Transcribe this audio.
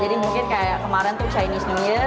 jadi mungkin kayak kemarin tuh chinese new year